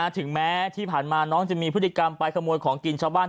ถึงแม้ที่ผ่านมาน้องจะมีพฤติกรรมไปขโมยของกินชาวบ้าน